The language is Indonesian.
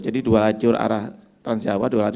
jadi dua lacur arah transjawa